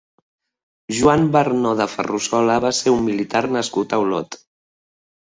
Joan Barnó de Ferrusola va ser un militar nascut a Olot.